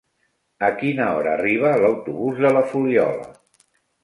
A quina hora arriba l'autobús de la Fuliola?